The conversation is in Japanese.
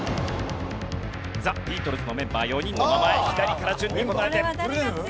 ザ・ビートルズのメンバー４人の名前左から順に答えて。